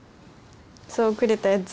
そうくれたやつ。